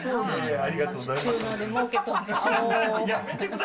ありがとうございます。